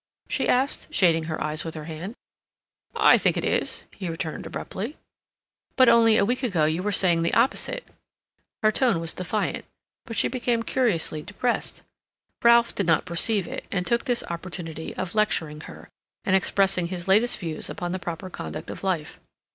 she asked, shading her eyes with her hand. "I think it is," he returned abruptly. "But only a week ago you were saying the opposite." Her tone was defiant, but she became curiously depressed. Ralph did not perceive it, and took this opportunity of lecturing her, and expressing his latest views upon the proper conduct of life.